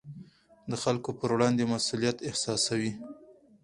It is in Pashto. د خلکو پر وړاندې مسوولیت احساسوي.